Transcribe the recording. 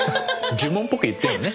呪文っぽく言ってるのね。